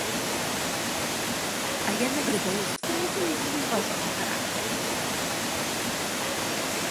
A jednak rybołówstwo musi mieć zrównoważony charakter